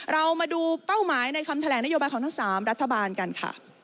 เรามาดูเป้าหมายในคำแถลงนโยบายของทั้ง๓รัฐบาลกันค่ะ